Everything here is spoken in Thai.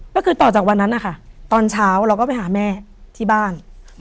ก็คือต่อจากวันนั้นนะคะตอนเช้าเราก็ไปหาแม่ที่บ้าน